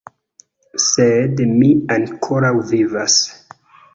Sed mi ankoraŭ vivas.